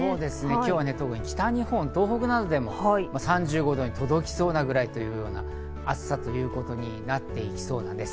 今日は特に北日本、東北などでも３５度に届きそうなぐらいというような暑さということになっていきそうなんです。